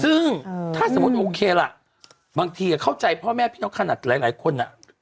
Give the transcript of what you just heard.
ซึ่งถ้าสมมุติโอเคล่ะบางทีเข้าใจพ่อแม่พี่น้องขนาดหลายคน